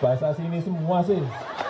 bahasa sini semua sih